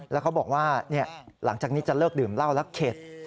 แล้วเขาบอกว่าหลังจากนี้จะเลิกดื่มเหล้าแล้วเข็ด